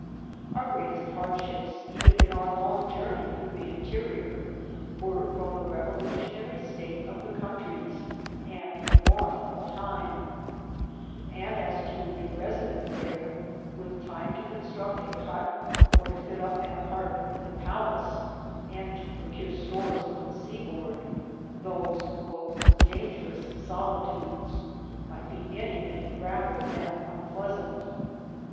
Our greatest hardships, even in our long journey through the interior, were from the revolutionary state of the countries and want of time ; and as to a residence there, with time to construct a hut or to fit up an apartment in the palace, and to pro cure stores from the seaboard, " those dangerous soli tudes" might be anything rather than unpleasant.